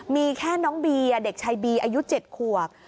มีแค่น้องบีเด็กชายบีอายุ๗ขวบ